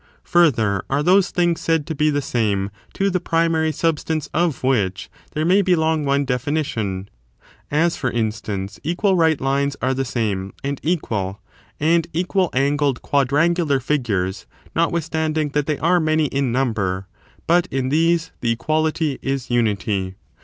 Further, are those things said to be the same to the primary substance of which there may belong one definition ; as, for instance, equal right lines are the same, and equal and equal angled quadrangular figures, notwithstanding that they are many in number ; but in these the equality is unity.